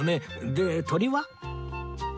で鳥は？